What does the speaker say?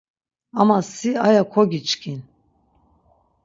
Ama si aya kogiçkin.